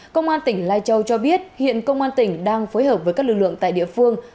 công an tỉnh lai châu cho biết hiện công an tỉnh đang phối hợp với các lực lượng tại địa phương